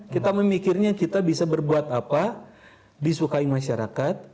kita memikirnya kita bisa berbuat apa disukai masyarakat